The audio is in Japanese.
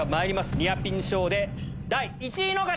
ニアピン賞で第１位の方！